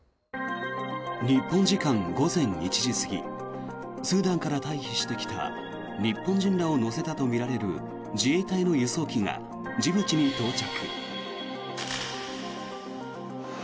日本時間午前１時過ぎスーダンから退避してきた日本人らを乗せたとみられる自衛隊の輸送機がジブチに到着。